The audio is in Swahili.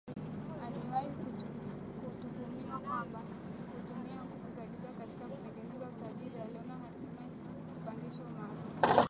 aliwahi kutuhumiwa kwamba hutumia nguvu za giza katika kutengeneza utajiri aliona hatimaye kupandisha umaarufu